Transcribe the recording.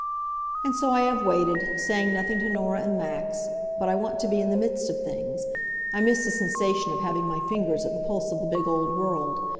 And so I have waited, saying nothing to Norah and Max. But I want to be in the midst of things. I miss the sensation of having my fingers at the pulse of the big old world.